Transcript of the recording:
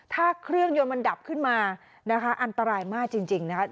ถ้าเครื่องยนต์มันดับขึ้นมานะคะอันตรายมากจริงนะคะ